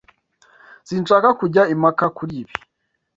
Sinshaka kujya impaka kuri ibi.